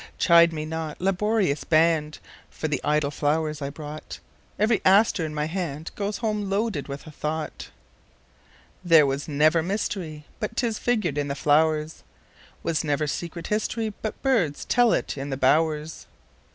Chide me not, laborious band, For the idle flowers I brought; Every aster in my handGoes home loaded with a thought. There was never mysteryBut 'tis figured in the flowers; SWas never secret historyBut birds tell it in the bowers.